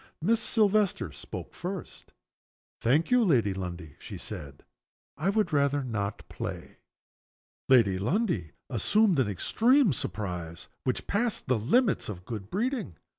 Miss Silvester spoke first. "Thank you, Lady Lundie," she said. "I would rather not play." Lady Lundie assumed an extreme surprise which passed the limits of good breeding.